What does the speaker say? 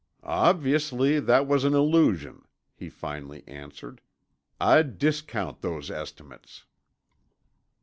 "Obviously, that was an illusion," he finally answered. "I'd discount those estimates."